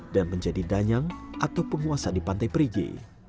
dan menjadi danyang atau penguasa di pantai perigi